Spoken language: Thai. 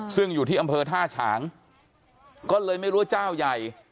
ซึ่งอยู่ที่อำเภอท่าฉางก็เลยไม่รู้ว่าเจ้าใหญ่